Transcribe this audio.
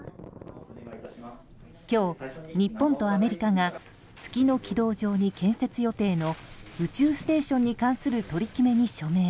今日、日本とアメリカが月の軌道上に建設予定の宇宙ステーションに関する取り決めに署名。